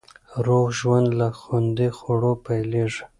روغ ژوند له خوندي خوړو پیلېږي.